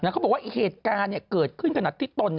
เขาบอกว่าเหตุการณ์เกิดขึ้นขณะที่ตน